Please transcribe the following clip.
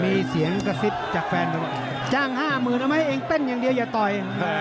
มีเสียงกระซิบจากแฟนไปว่าจ้าง๕๐๐๐เอาไหมเองเต้นอย่างเดียวอย่าต่อย